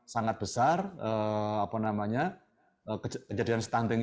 sangat besar apa namanya kejadian stunting